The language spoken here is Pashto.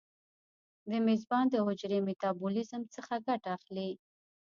د میزبان د حجرې میتابولیزم څخه ګټه اخلي.